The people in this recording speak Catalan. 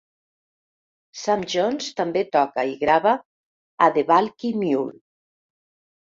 Sam Jones també toca i grava a 'The Balky Mule'.